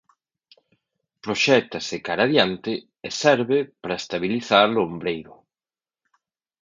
Proxéctase cara diante e serve para estabilizar o ombreiro.